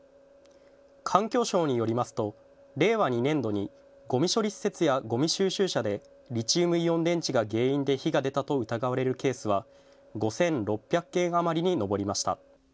環境省によりますと令和２年度にごみ処理施設やごみ収集車でリチウムイオン電池が原因で火が出たと疑われるケースは５６００件余りに上りました。